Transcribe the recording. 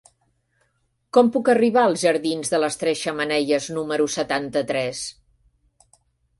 Com puc arribar als jardins de les Tres Xemeneies número setanta-tres?